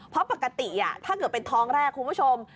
เพราะปกติถ้าเกิดเป็นท้องแรกคุณผู้ชม